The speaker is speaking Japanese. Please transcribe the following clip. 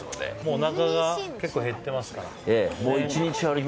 おなかが結構減ってますから。